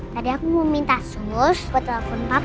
tadi aku mau minta sus gue telepon papa